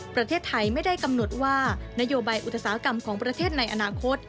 ประเทศไทยไม่ได้กำหนดว่านโยบายอุตสาหกรรมของประเทศในอนาคต